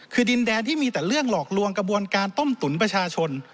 คือดินแดนที่มีแต่เรื่องหลอกลวงกระบวนการต้มตุ๋นประชาชน